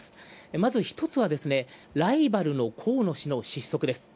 まず１つは、ライバルの河野氏の失速です。